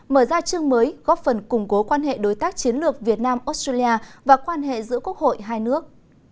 mở ra chương mới góp phần củng cố quan hệ đối tác chiến lược việt nam australia và quan hệ giữa quốc hội hai nước